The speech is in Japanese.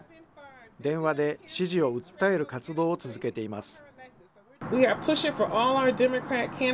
電話で支持を訴える活動を続けています。